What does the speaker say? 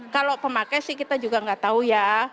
kalau pemakai sih kita juga nggak tahu ya